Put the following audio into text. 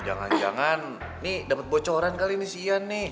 jangan jangan nih dapet bocoran kali ini si ian nih